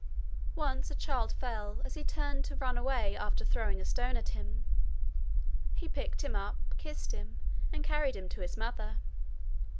Once a child fell as he turned to run away after throwing a stone at him. He picked him up, kissed him, and carried him to his mother.